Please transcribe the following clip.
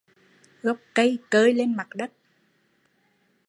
Gốc cây cơi lên mặt đất